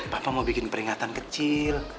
bapak mau bikin peringatan kecil